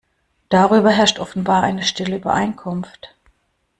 Darüber herrscht offenbar eine stille Übereinkunft.